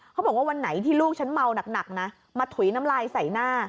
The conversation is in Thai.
บอกว่าวันไหนที่ลูกฉันเมาหนักนะมาถุยน้ำลายใส่หน้า